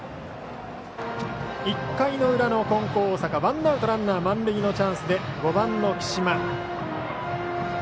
１回の裏の金光大阪、ワンアウトランナー満塁のチャンスで５番、貴島。